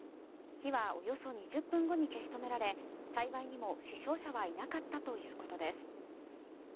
火はおよそ２０分後に消し止められ幸いにも死傷者はいなかったということです。